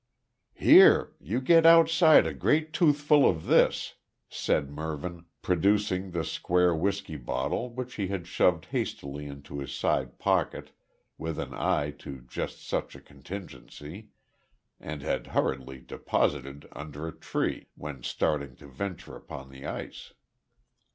"Here. You get outside a great toothful of this," said Mervyn, producing the square whisky bottle which he had shoved hastily into his side pocket with an eye to just such a contingency, and had hurriedly deposited under a tree, when starting to venture upon the ice.